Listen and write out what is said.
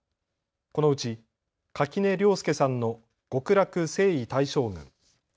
このうち垣根涼介さんの極楽征夷大将軍。